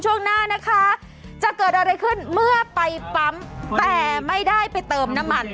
ช่วงหน้านะคะจะเกิดอะไรขึ้นเมื่อไปปั๊มแต่ไม่ได้ไปเติมน้ำมัน